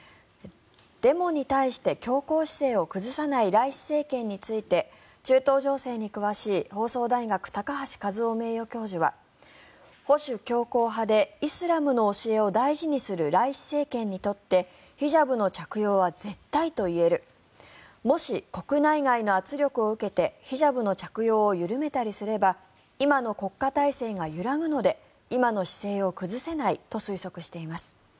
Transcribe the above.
デモに対して強硬姿勢を崩さないライシ政権に対して中東情勢に詳しい放送大学の高橋和夫名誉教授は保守強硬派でイスラムの教えを大事にするライシ政権にとってヒジャブの着用は絶対と言えるもし国内外の圧力を受けてヒジャブの着用を緩めたりすれば今の国家体制が揺らぐので今の姿勢を崩せないと推測しています。